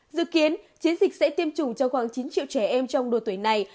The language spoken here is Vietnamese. dự kiến chiến dịch sẽ tiêm chủng cho khoảng chín triệu trẻ em trong độ tuổi này